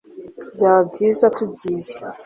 Byaba byiza tugiye